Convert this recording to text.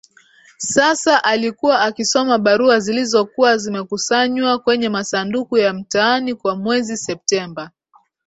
Sasa alikuwa akisoma barua zilizokuwa zimekusanywa kwenye masanduku ya mtaani kwa mwezi septemba